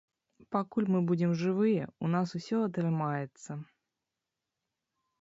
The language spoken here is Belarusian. Пакуль мы будзем жывыя, у нас усё атрымаецца.